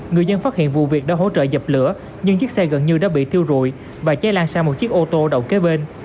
người dân phát hiện vụ việc đã hỗ trợ dập lửa nhưng chiếc xe gần như đã bị thiêu rụi và cháy lan sang một chiếc ô tô đầu kế bên